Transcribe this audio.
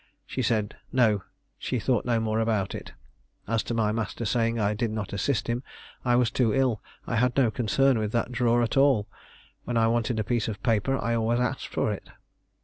She said 'No, she thought no more about it.' As to my master saying I did not assist him, I was too ill. I had no concern with that drawer at all; when I wanted a piece of paper I always asked for it."